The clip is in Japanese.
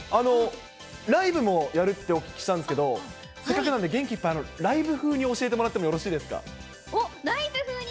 ライブもやるってお聞きしたんですけど、せっかくなんで、元気いっぱい、ライブ風に教えてもらっライブ風に？